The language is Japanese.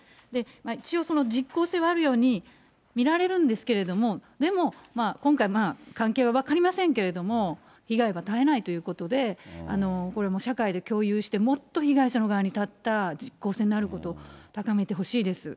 一応実効性はあるように見られるんですけれども、でも今回、関係は分かりませんけれども、被害は絶えないということで、これもう社会で共有して、もっと被害者の側に立った、実効性のあることを、高めてほしいです。